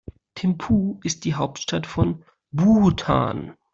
Thimphu ist die Hauptstadt von Bhutan.